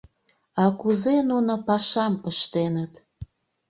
А кузе нуно пашам ыштеныт?